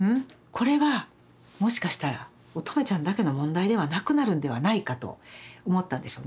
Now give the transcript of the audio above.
これはもしかしたら音十愛ちゃんだけの問題ではなくなるんではないかと思ったんでしょうね。